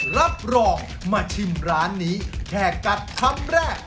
รับรองมาชิมร้านนี้แค่กัดคำแรก